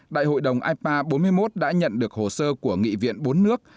đại hội đồng ipa bốn mươi một đã nhận được hồ sơ của nghị viện bốn nước